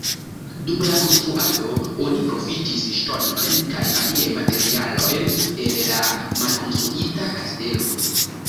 Dum la konstruado oni profitis ŝtonojn kaj aliaj materialojn el la malkonstruita kastelo.